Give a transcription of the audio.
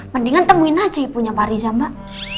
mendingan temuin aja ibunya pariza mbak